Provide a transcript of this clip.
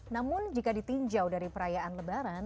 namun jika ditinjau dari perayaan lebaran